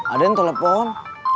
ada yang telepon